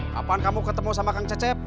kapan kamu ketemu sama kang cecep